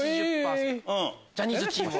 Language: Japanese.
ジャニーズチームは？